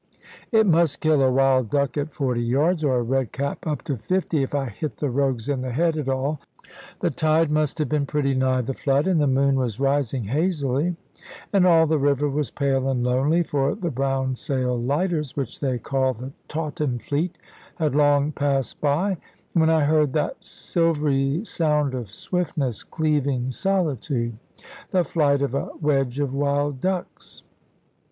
It must kill a wild duck at forty yards, or a red cap up to fifty, if I hit the rogues in the head at all. The tide must have been pretty nigh the flood, and the moon was rising hazily, and all the river was pale and lonely, for the brown sailed lighters (which they call the "Tawton fleet") had long passed by, when I heard that silvery sound of swiftness cleaving solitude the flight of a wedge of wild ducks.